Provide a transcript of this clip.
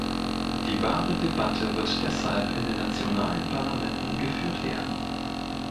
Die wahre Debatte wird deshalb in den nationalen Parlamenten geführt werden.